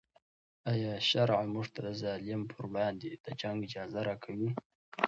آیا شرع موږ ته د ظالم پر وړاندې د جنګ اجازه راکوي؟